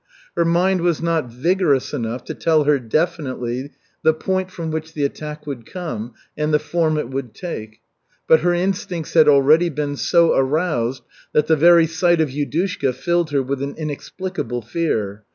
Her mind was not vigorous enough to tell her definitely the point from which the attack would come and the form it would take; but her instincts had already been so aroused that the very sight of Yudushka filled her with an inexplicable fear.